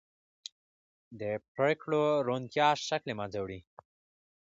د پرېکړو روڼتیا شک له منځه وړي